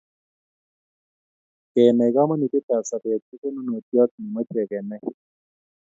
kenai komonutietab sobeet ko konunotioot nemochei keenai